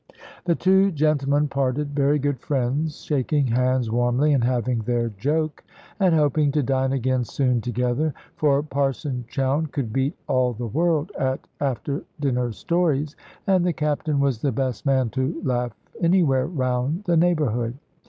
The two gentlemen parted very good friends, shaking hands warmly, and having their joke, and hoping to dine again soon together; for Parson Chowne could beat all the world at after dinner stories; and the Captain was the best man to laugh anywhere round the neighbourhood.